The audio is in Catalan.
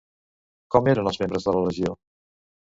Com eren els membres de la legió?